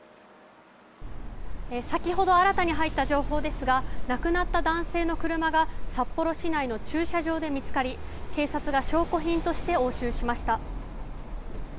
先ほど新たに入った情報ですが亡くなった男性の車が札幌市内の駐車場で見つかり警察が証拠品として押収しました。